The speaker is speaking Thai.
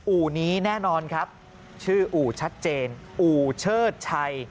อู่นี้แน่นอนครับชื่ออู่ชัดเจนอู่เชิดชัย